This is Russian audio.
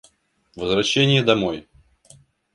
Возвращение домой.